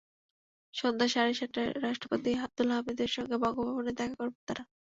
সন্ধ্যা সাড়ে সাতটায় রাষ্ট্রপতি আবদুল হামিদের সঙ্গে বঙ্গভবনে দেখা করবেন তাঁরা।